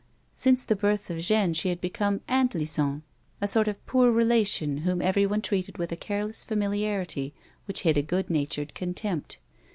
Since the birth of Jeanne she had become " Aunt Lison," a sort of poor relation whom everyone treated with a careless familiarity which hid a good natured contempt.